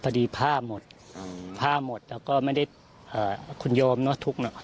พอดีผ้าหมดผ้าหมดแต่ก็ไม่ได้คุณยอมทุกข์